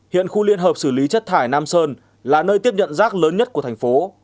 hiện khu liên hợp xử lý chất thải nam sơn là nơi tiếp nhận rác lớn nhất của thành phố